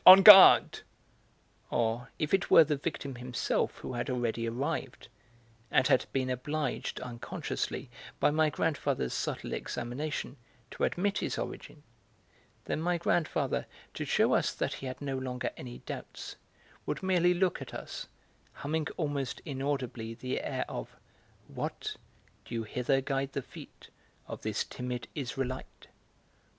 on guard," or, if it were the victim himself who had already arrived, and had been obliged, unconsciously, by my grandfather's subtle examination, to admit his origin, then my grandfather, to shew us that he had no longer any doubts, would merely look at us, humming almost inaudibly the air of What! do you hither guide the feet Of this timid Israelite?